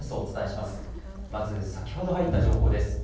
まず先ほど入った情報です。